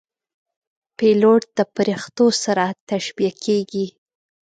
پیلوټ د پرښتو سره تشبیه کېږي.